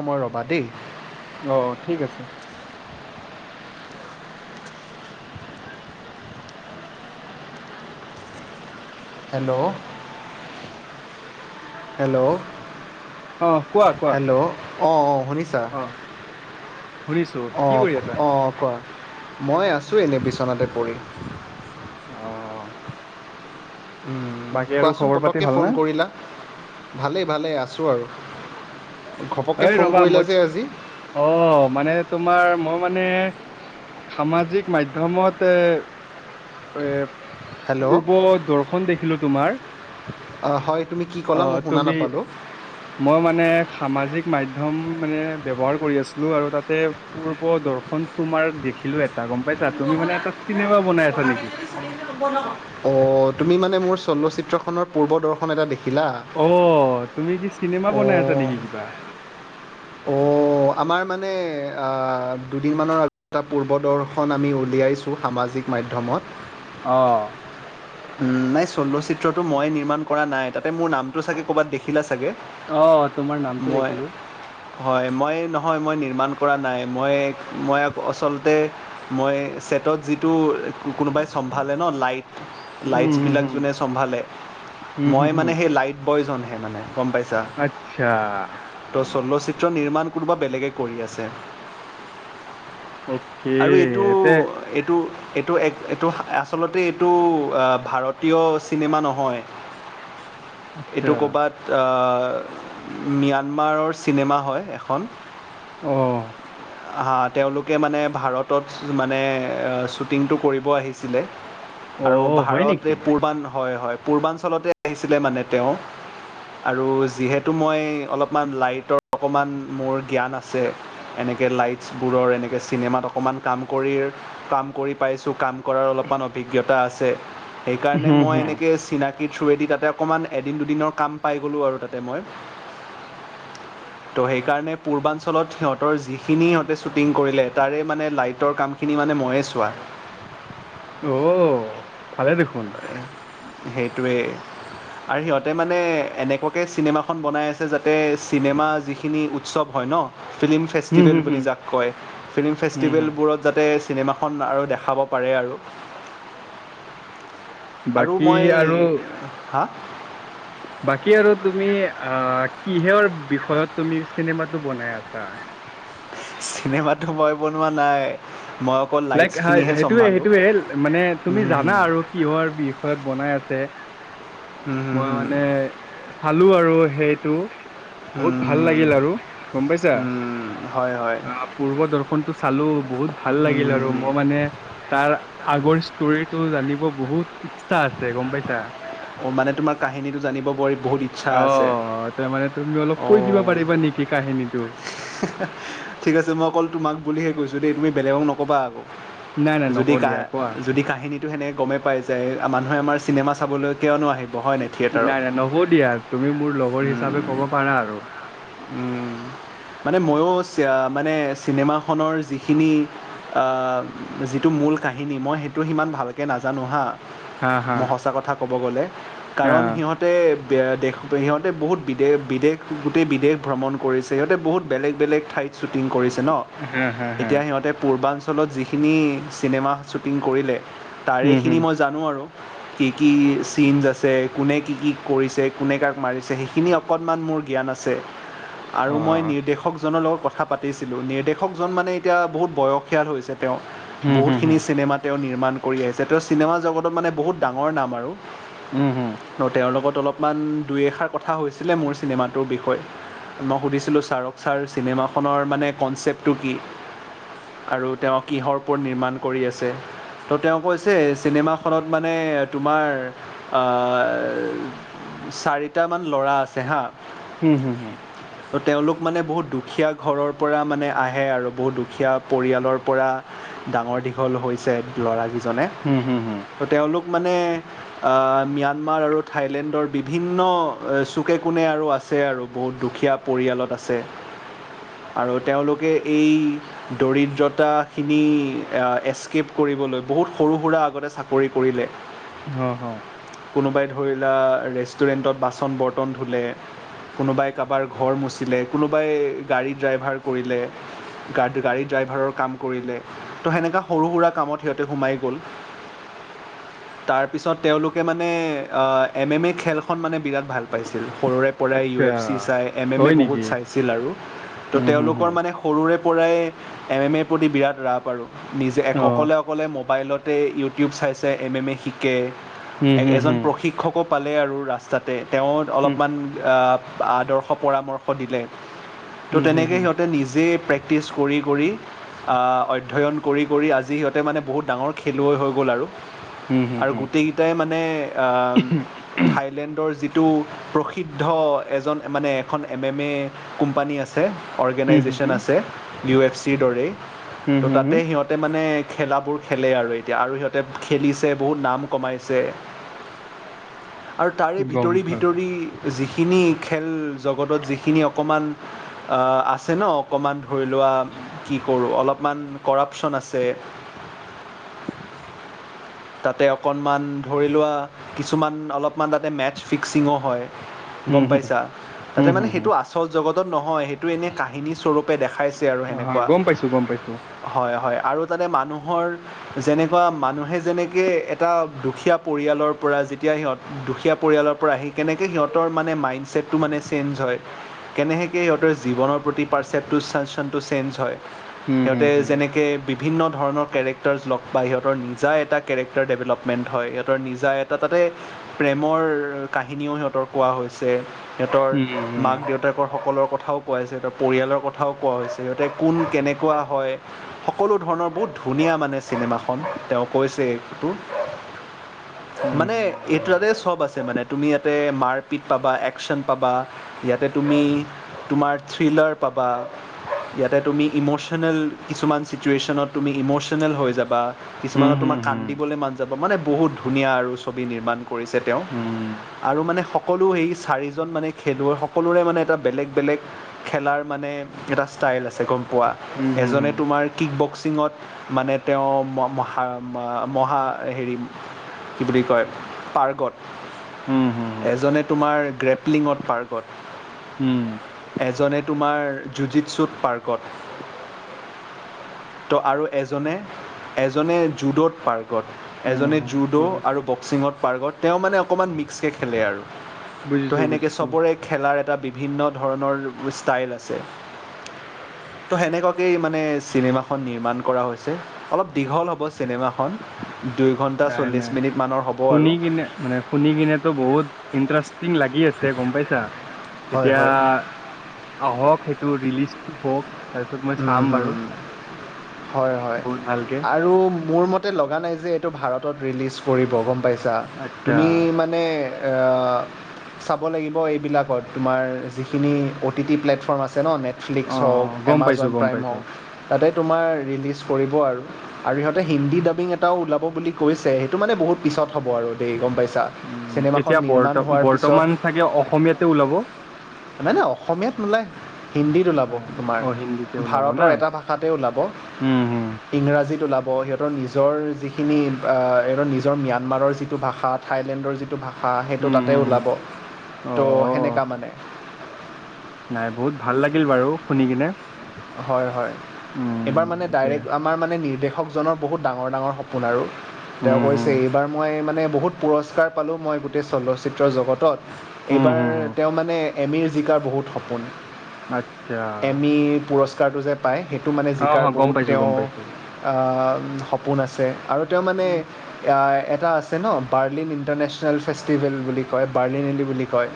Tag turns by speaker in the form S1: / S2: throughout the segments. S1: অমৰ ৰবা দেই
S2: অ ঠিক আছে
S1: হেল্ল' হেল্ল'
S2: অ কোৱা কোৱা
S1: হেল্ল' অঁ অঁ শুনিছা
S2: অ শুনিছো কি
S1: অঁ
S2: কৰি আছা
S1: অঁ কোৱা মই আছোঁ এনেই বিচনতে পৰি
S2: অ বাকী আৰু
S1: কোৱাচোন
S2: খবৰ পাতি
S1: পতককৈ
S2: ভালনে
S1: ফোন কৰিলা ভালেই ভালেই আছোঁ আৰু ঘপককৈ
S2: এ
S1: ফোন
S2: ৰবা
S1: কৰিলা
S2: মই
S1: যে আজি
S2: অ মানে তোমাৰ মই মানে সামাজিক মাধ্যমত এ এ
S1: হেল্ল'
S2: পূৰ্ব দৰ্শন দেখিলো তোমাৰ
S1: অঁ, হয় তুমি কি ক'লা
S2: অ
S1: মই শুনা
S2: তুমি
S1: নাপালোঁ
S2: মই মানে সামাজিক মাধ্যম মানে ব্যৱহাৰ কৰি আছিলো আৰু তাতে পূৰ্ব দৰ্শন তোমাৰ দেখিলো এটা গম পাইছা তুমি মানে এটা চিনেমা বনাই আছা নেকি
S1: অ তুমি মানে মোৰ চলচিত্ৰখনৰ পূৰ্ব দৰ্শন এটা দেখ [unintelligible]
S2: অ তুমি কি চিনেমা বনাই আছা
S1: অঁ
S2: নেকি কিবা
S1: অ আমাৰ মানে আ দুদিনমানৰ আগত এটা পূৰ্বদৰ্শন আমি উলিয়াইছোঁ সামাজিক মাধ্যমত
S2: অঁ
S1: উ নাই চলচিত্ৰটো মই নিৰ্মাণ কৰা নাই তাতে মোৰ নামটো চাগে ক'বাত দেখিলা চাগে
S2: অ তোমাৰ নামটো
S1: মই
S2: দেখিলো
S1: হয় মই নহয় মই নিৰ্মাণ কৰা নাই মই মই আচলতে মই হেহতৰ জিতু কুকুৰ বা সম ভালে ন লাইট লাইটচ
S2: উম, হুম,
S1: বিলাক
S2: হুম,
S1: যোনে চম্ভালে
S2: হুম, হুম,
S1: মই
S2: হুম,
S1: মানে সেই লাইট বি প্ৰয়োজনহে মানে। গম পাইছা
S2: আচ্ছা।
S1: তো চলচ্চিত্ৰ নিৰ্মাণ কোনোবা বেলেগে কৰি আছে।
S2: অ'কে
S1: আৰু এইটো
S2: এতে
S1: - এইটো - এইটো - এইটো আ আচলতে এইটো ভাৰতীয় চিনেমা নহয়।
S2: আচ্ছা
S1: এইটো ক'ৰবাত ম্যানমাৰৰ চিনেমা হয় এখন।
S2: অহ',
S1: হা, তেওলোকে মানে ভাৰতত মানে শ্বুটিংটো কৰিব আহিছিলে আৰু
S2: অ', হয়
S1: ভাৰত
S2: নেকি?
S1: এই পূৰ্বান হয়- হয় পূৰ্বাঞ্চলতে আহিছিলে মানে তেও। আৰু যিহেতু মই অলপমান লাইটৰ অকণমান মোৰ জ্ঞান আছে যে লাইটছবোৰৰ এনেকে চিনেমাত অকণমান কাম কৰি-কাম কৰি পাইছো কাম কৰাৰ অলপমান অভিজ্ঞতা আছে সেইকাৰণে
S2: হুম,
S1: মই
S2: হুম,
S1: এনেকৈ চিনা কি থ্ৰো দি তাতে অকণমান এদিন দুদিনৰ কাম পাই গ'লো আৰু তাতে মই।
S2: [inaudible]
S1: ত, সেইকাৰণে পূৰ্বাঞ্চলত সিহতৰ যিখিনি সিহতে শ্বুটিং কৰিলে, তাৰে মানে লাইটৰ কামখিনি মানে ময়ে চোৱা।
S2: [inaudible] অ, ভালে দেখোন।
S1: সেইটোৱে। আৰু সিহতে মানে এনেকুৱাকৈ চিনেমাখন বনাই আছে, যাতে চিনেমা যিখিনি উৎসৱ হয় ন ফিল্ম
S2: হুম,
S1: ফেষ্টিভেল
S2: হুম, হুম,
S1: বুলি যাক কয় ফিল্ম
S2: হুম, হুম,
S1: ফেষ্টিভেলবোৰত যাতে চিনেমাখন আৰু দেখাব পাৰে আৰু আৰু
S2: বাকী
S1: মই,
S2: আৰু
S1: হা
S2: অহ, কিহৰ বিষয়ত তুমি চিনেমাটো বনাই আছা?
S1: চিনেমাতো মই বনোৱা নাই। মই অকল
S2: লাইক
S1: লাইটছখিনিহে
S2: সেইটোৱে -
S1: চম্ভালোঁ
S2: সেইটোৱে, মানে তুমি
S1: হুম হুম
S2: জানা আৰু কিহৰ বিষয়ত বনাই আছে।
S1: হুম
S2: মই
S1: হুম
S2: মানে চালো আৰু সেইটো।
S1: হুম
S2: বহুত ভাল
S1: হুম হুম
S2: লাগিল আৰু গম পাইছা,
S1: হুম হয় হয়
S2: আহ, পূৰ্ব দৰ্শনটো চালো বহুত ভাল
S1: হুম
S2: লাগিল
S1: হুম
S2: আৰু
S1: হুম।
S2: মই মানে তাৰ আগৰ ষ্টৰিটো জানিব বহুত ইচ্ছা আছে, গম পাইছা? অ,
S1: মানে তোমাৰ কাহিনীটো জানিব বৰ বহুত ইচ্ছা আছে
S2: তাৰমানে তুমি অলপ কৈ দিব
S1: অঁ
S2: পাৰিবা নেকি কাহিনী
S1: ঠিক আছে মই অকল তোমাক বুলিহে কৈছো দেই, তুমি বেলেগক নক'বা আকৌ।
S2: নাই নাই
S1: যদি
S2: নকওঁ
S1: কা
S2: দিয়া কোৱা
S1: যদি কাহিনী সেনেকে গমেই পাই যায়, মানুহে আমাৰ চিনেমা চাবলৈ কিয়নো আহিব। হয় নাই থিয়েটাৰত
S2: উম, হ'ব দিয়া। তুমি মোৰ লগৰ হিচাপে ক'ব পাৰা আৰু।
S1: উম, মানে ময়ো মানে চিনেমাখনৰ যিখিনি অহা, যিটো মূল কাহিনী মই সেইটো সিমান ভালকৈ নাজানো হা।
S2: হা হা
S1: মই সচা কথা ক'ব গ'লে,
S2: হা
S1: কাৰণ সিহতে দেশ সিহতে বিহুত বিদেশ- বিদেশ গোটেই বিদেশ ভ্ৰমণ কৰিছে। বহুত বেলেগ - বেলেগ ঠাইত শ্বুটিং কৰিছে ন।
S2: হা হা হা
S1: এতিয়া সিহতে পূৰ্বা ঞ্চলত যিখিনি চিনেমা শ্বুটিং কৰিলে
S2: হুম
S1: তাৰেখিনি
S2: হুম
S1: মই জানো আৰু কি - কি চিনজ আছে। কোনে কি কি কৰিছে,? কোনে কাক মাৰিছে, সেইখিনি অকণমান মোৰ মোৰ জ্ঞান আছে আৰু
S2: অ
S1: মই নিৰ্দেশকজনৰ লগত কথা পাতিছিলো, নিৰ্দেশকজন মানে এতিয়া বহুত বয়সীয়াল হৈছে তেও,
S2: হুম হুম
S1: বহুতখিনি
S2: হুম
S1: চিনেমা তেও নিৰ্মাণ কৰি আছে। তেও চিনেমাজগতত মানে বহুত ডাঙৰ নাম আৰু
S2: হুম হুম
S1: তেওৰ লগত অলপমান দুই এষাৰ কথা হৈছিলে মোৰ চিনেমাটোৰ বিষয়ে, মই সুধিছিলো ছাৰক। ছাৰ, চিনেমাখনৰ মানে কনচেপ্টটো কি? আৰু তেওঁ কিহৰ ওপৰত নিৰ্মাণ কৰি আছে? তো তেওঁ কৈছে, চিনেমাখনত মানে তোমাৰ--আ' চাৰিটামান ল'ৰা আছে, হা।
S2: হুঁ, হুঁ, হুঁ।
S1: তেওঁলোক মানে বহুত দুখীয়া ঘৰৰ পৰা মানে আহে আৰু, বহুত দুখীয়া পৰিয়ালৰ পৰা ডাঙৰ দীঘল হৈছে ল'ৰা কেইজনে।
S2: হুম হুম হুম
S1: তেওঁলোক মানে আ' ম্যানমাৰ আৰু থাইলেণ্ডৰ বিভিন্ন চুকে-কোণে আৰু আ আছে আৰু। বহুত দুখীয়া পৰিয়ালত আছে আৰু তেওঁলোকে এই দৰিদ্ৰতাখিনি এস্কেপ কৰি বহুত সৰু-সুৰা আগতে চাকৰি কৰিলে।
S2: হয়, হয়।
S1: কোনোবাই ধৰি লোৱা, ৰেষ্টুৰেণ্টত বাচন- বৰ্তন ধুলে, কোনোবাই ক কাৰোবাৰ ঘৰ ম -ছিলে, কোনোবাই গাড়ী ড্ৰাইভাৰ কৰিলে, গাড়ী ড্ৰাইভাৰৰ কাম কৰিলে তো সেনেকা সৰু-সুৰা কামত সিহঁতে সোমাই গ'ল।
S2: [inaudible]
S1: তাৰপিছত তেওঁলোকে মানে অহ' এম, এম, এ, খেলখন মানে বিৰাট ভাল পাইছিলে সৰুৰে পৰাই ইউ,
S2: আচ্ছা
S1: এফ, চি, চায়, এম এম, ই,
S2: হয়
S1: বহুত
S2: নেকি
S1: চাইছিল আৰু, তো
S2: হুম হুম
S1: তেওঁলোকৰ
S2: হুম
S1: মানে সৰুৰে পৰাই এম, এম, এ, ৰ প্ৰতি বিৰাট ৰাপ আৰু, নিজে অকলে, অকলে- মোবাইলতে ইউটিউব চাইছে, এম এম এ শিকে, এজন প্ৰশিক্ষকক পালে আৰু ৰাস্তাতে, তেওঁ অলপমান আদৰ্শ পৰামৰ্শ দিলে। ত' তেনেকে সিহঁতে নিজে প্ৰেক্টিচ কৰি কৰি, অধ্যয়ন কৰি কৰি, আজি সিহঁতে মানে বহুত ডাঙৰ খেলুৱৈ হৈ গ'ল আৰু। আৰু গোটেইকেইটাই মানে অহ থাইলেণ্ডৰ যি -টো প্ৰসিদ্ধ এজন মানে এখন এম, এম, এ কোম্পানী আছে
S2: হুম,
S1: অৰ্গেনাইজেশচন আছে, ইউ, এফ, চি, ৰ দৰেই।
S2: হুম,
S1: ত'
S2: হুম,
S1: তাতে
S2: হুম,
S1: সিহঁতে মানে খেলাবোৰ খেলে আৰু এতিয়া আৰু সিহঁতে খেলিছে বহুত নাম কমাইছে আৰু তাৰে
S2: গম
S1: ভিতৰি
S2: পালোঁ।
S1: ভিতৰি যিখিনি খেল জগতত যিখিনি অকণমান আছে ন, অকণমান ধৰি লোৱা, কি কৰোঁ অলপ কিমান কৰাপচন আছে
S2: [inaudible]
S1: তাতে অকণমান ধৰি লোৱা, কিছুমান অলপমান তাতে মেচ ফিক্সিঙো হয়। গম
S2: হুম, হুম,
S1: পাইছা, তাতে
S2: হুম,
S1: মানে
S2: হুম, হুম।
S1: সেইটো আচল জগত নহয়, সেইটো এনে কাহিনী স্বৰূপে দেখাইছে আৰু
S2: হয়, হয়,
S1: সেনেকুৱা।
S2: গম পাইছোঁ, গম পাইছোঁ।
S1: হয়, হয়। আৰু তাতে মানুহৰ যেনেকুৱা মানুহে যেনে -কে এটা দুখীয়া পৰিয়ালৰ পৰা যেতিয়া সিহঁত দুখীয়া পৰিয়ালৰ পৰা আহি কেনেকৈ সিহঁতৰ মানে মাইণ্ডছেট -টো মানে চেঞ্জ হয় কেনেকৈ সিহঁতৰ জীৱনৰ প্ৰতি পাৰ্চেপ্টচনটো চেঞ্জ হয়
S2: হুম, হুম,
S1: সিহঁতে
S2: হুম,
S1: যেনেকে বিভিন্ন ধৰণৰ কেৰেক্টাৰছ লগ পায়, সিহঁতৰ নিজা এটা কেৰেক্টাৰ ডেভেলপমেণ্ট হয়, সিহঁতৰ নিজা এটা, তাতে প্ৰেমৰ কাহিনীও সিহঁতৰ কোৱা হয়। চ' সিহঁতৰ
S2: উম, হুম,
S1: মাক-দেউতাক সকলৰ কথাও কোৱা হৈছে, সিহঁতৰ পৰিয়ালৰ কথাও কোৱা হৈছে, সিহঁতে কোন কেনেকুৱা হয়, সকলো ধৰণৰ বহুত ধুনীয়া মানে চিনেমাখন তেওঁ কৈছে, এইটো।
S2: উম,
S1: মানে এইটোতে সব আছে মানে? তুমি ইয়াতে মাৰপিট পাবা, একচন পাবা, ইয়াতে তুমি, তোমাৰ থ্ৰিলাৰ পাবা। বাহ ইয়াতে তুমি ইম'চনেল কিছুমান চিটুৱেশ্যনত তুমি ইম'চনেল হৈ যাবা।
S2: হু-
S1: কিছুমানত তোমাৰ
S2: হু- হু।
S1: [unintelligible] মানে বহুত ধুনীয়া আৰু ছবি নিৰ্মাণ কৰিছে তেও
S2: উম,
S1: আৰু মানে সকলো সেই চাৰিজন মানে খেলুৱৈ, সকলোৰে মানে এটা বেলেগ - বেলেগ খেলাৰ মানে এটা ষ্টাইল আছে গম পোৱা,
S2: হুম, হুম,
S1: এজনে
S2: হুম,
S1: তোমাৰ কিক বক্সিঙত মানে তেও ম ম মহা - মহা হেৰি কি বুলি কয়, পাৰ্গত।
S2: উম, হুম,
S1: এজনে তোমাৰ গ্ৰেপলিঙত পাৰ্গত।
S2: হুম,
S1: এজনে তোমাৰ যুদিতছুট পাৰ্গত ত, আৰু এজনে - এজনে জুড'ত পাৰ্কত
S2: উম,
S1: এজনে
S2: হুম,
S1: জুড' আৰু
S2: বুজিছোঁ,
S1: বক্সিঙত পাৰ্গত তেও মানে অকণমান মিক্সে খেলে আৰু। ত'
S2: বুজিছোঁ,
S1: সেনেকে
S2: বুজিছোঁ।
S1: চবৰে খেলাৰ এটা বিভিন্ন। ধৰণৰ ষ্টাইল আছে। ত' সেনেকুৱাকে মানে চিনেমাখনন নিৰ্মাণ কৰা হৈছে অলপ দীঘল হব। চিনেমাখন দুই ঘণ্টা
S2: নাই -
S1: চল্লিছ
S2: নাই
S1: মিনিটমানৰ হ'ব আৰু
S2: শুনি কিনে মানে শুনি কিনে তো বহুত ইন্টাৰেষ্টিং লাগি গি আছে গম পাইছা
S1: হয়
S2: এতিয়া আহক সেইটো ৰিলিজটো হওক। তাৰপিছত মই চাম বাৰু।
S1: হয় - হয়
S2: বহুত ভালকে
S1: আৰু মোৰ মতে লগা নাই যে। এইটো ভাৰতত ৰিলিজ কৰিব গম পাইছা
S2: আচ্ছা
S1: তুমি মানে চাব লাগিব এইবিলাকত তোমাৰ যিখিনি অ' টি টি প্লেটফৰ্ম আছে। আছে ন নেটফ্লিক্স
S2: অ
S1: হওক
S2: গম পাইছো
S1: এমাজন
S2: গম
S1: প্ৰাইম
S2: পাইছো
S1: হওক তাতে তোমাৰ ৰিলিজ কৰিব আৰু আৰু ইহতে হিন্দী ডাবিং। এটা ওলাব বুলি কৈছে সেইটো মানে বহুত পিছত হ'ব আৰু দেই গম পাইছো।
S2: উম
S1: চিনেমাখন
S2: এতিয়া বৰ্ত
S1: নিৰ্মাণ হোৱাৰ পিছত
S2: বৰ্তমান চাগে অসমীয়াতে ওলাব
S1: মানে অসমীয়াত নোলাই হিন্দীত ওলাব
S2: আহ,
S1: তোমাৰ
S2: অ হিন্দীতে ওলাব না
S1: ভাৰতৰ এটা ভাষাতে ওলাব
S2: উম হম
S1: ইংৰাজীত ওলাব। সিহতৰ নিজৰ যিখিনি সিহতৰ নিজৰ ম্যানমাৰৰ যিটো ভাষা থাইলেণ্ডৰ যিটো ভাষা হা সেইটো
S2: উম
S1: তাতে
S2: হম
S1: ওলাব
S2: অ
S1: ত' সেনেকা মানে।
S2: নাই বহুত ভাল লাগিল বাৰু শুনি কিনে।
S1: হয় - হয়
S2: উম
S1: এইবাৰ মানে
S2: এতিয়া
S1: ডাইৰেক্ট আমাৰ মানে নিৰ্দেশ কৃষকজনৰ বহুত ডাঙৰ - ডাঙৰ সপোন আৰু তেও
S2: উম হম
S1: কৈছে এইবাৰ মই মানে। বহুত পুৰস্কাৰ পালো মই গোটেই চলচ্চিত্ৰ জগতত
S2: উম
S1: এইবাৰ
S2: হম হম
S1: তেও মানে এমিৰ জিকা বহুত সপোন
S2: আচ্ছা।
S1: এমি পুৰস্কাৰটো যে পায় সেইটো মানে
S2: অ হ
S1: জিকাৰ
S2: গম
S1: বহুত
S2: পাইছো
S1: তেও
S2: গম পাইছো
S1: সপোন আছে আৰু তেও মানে
S2: উম
S1: এটা আছে ন বাৰ্লিন ইণ্টাৰনেশ্যনেল ফেষ্টিভেল বুলি কয় বাৰ্লিনলি বুলি কয়।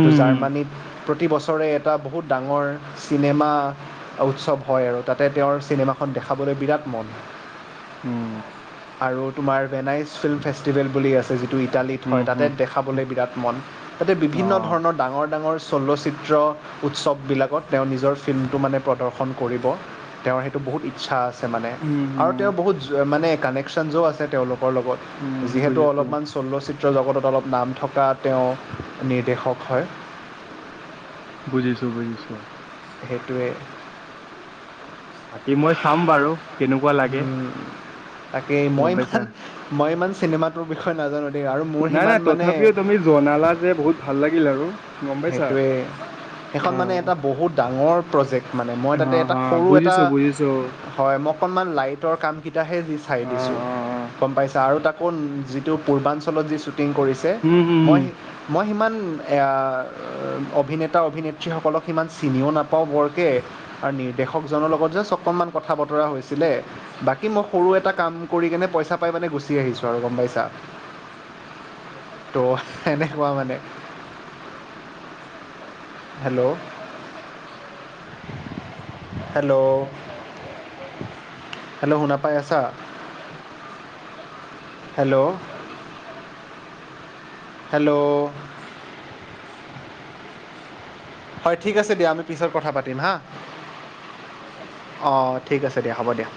S1: এইটো জাৰ্মানীত প্ৰতিবছৰে এটা বহুত ডাঙৰ চিনেমা উৎসৱ হয় আৰু তাতে তেওৰ চিনেমাখন দেখাবলৈ বিৰাট মন
S2: উম,
S1: আৰু তোমাৰ ভেনাইজ ফিল্ম ফেষ্টিভেল বুলি আছে যিটো ইটালীত হয় তাতে
S2: হম
S1: দেখাবলৈ বিৰাট মন তাতে
S2: অ
S1: বিভিন্ন ধৰণৰ ডাঙৰ- ডাঙৰ চলচিত্ৰ উৎসৱবিলাকত তেও নিজৰ ফিল্ম মানে প্ৰদৰ্শন কৰিব তেওৰ সেইটো বহুত ইচ্ছা আছে মানে
S2: উম
S1: আৰু তেও
S2: হম
S1: বহুত মানে কানেকশ্যনজো আছে তেওলোকৰ
S2: উম
S1: লগত যিহেতু
S2: বুজিছো
S1: অলপমান চলচ্চিত্ৰ চিত্ৰ জগতত অলপ নাম থকা তেও নিৰ্দেশক হয়।
S2: বুজিছো - বুজিছো।
S1: সেইটোৱে
S2: বাকী মই চাম বাৰু কেনেকুৱা লাগে।
S1: তাকেই মই
S2: গম পাইছা
S1: ইমান মই ইমান চিনেমাটোৰ বিষয়ে নাজানো। দেই আৰু মোৰ
S2: নাই -
S1: সিমান
S2: নাই
S1: মানে
S2: তথাপিও তুমি জনালা যে বহুত ভাল লাগিল আৰু। গম পাইছা।
S1: সেইটোৱে সেইখন মানে
S2: অ',
S1: এটা বহুত ডাঙৰ প্ৰজেক্ট মানে মই তাতে এটা
S2: অ',
S1: সৰু এটা।
S2: বুজিছো বুজিছো
S1: হয় মই অকনমান লাইটৰ কাম কেইটা হে যি চাই
S2: অ',
S1: দিছো
S2: অ', অ',
S1: গম পাইছা আৰু তাকো যিটো পূৰ্বাঞ্চলত যি চুটিং কৰিছে
S2: উম, উম,
S1: মই - মই সিমান অভিনেতা অভিনেত্ৰীসকলক সিমান চিনিও নাপাও বৰকৈ আৰু নিৰ্দেশকজনৰ লগত বচ, অকনমান কথা-বতৰা হৈছিলে, বাকী, মই সৰু এটা কাম কৰি কেনে পইচা পাই মানে গুচি আহিছো আৰু। গম পাইছা?
S2: [inaudible]
S1: ত' এনেকুৱা মানে। হেল্ল', হেল্ল', - হেল্ল', শুনা পাই আছা?
S2: [inaudible]
S1: হেল্ল', হেল্ল', হয়, ঠিক আছে দিয়া, আমি পিছত কথা পাতিম হা। অ, ঠিক আছে দিয়া, হ'ব দিয়া।